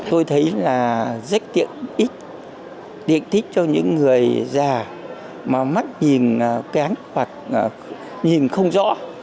tôi thấy là rất tiện ích tiện thích cho những người già mà mắt nhìn kém hoặc nhìn không rõ